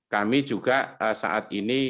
kami juga saat ini